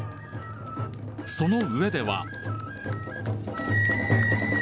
その上では。